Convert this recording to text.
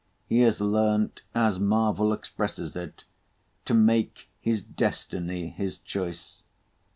He has learnt, as Marvel expresses it, to "make his destiny his choice."